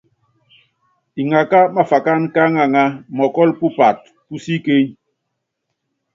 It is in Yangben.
Iŋaká máfákan ká aŋaŋá mɔkɔ́l pupat pú síkeny.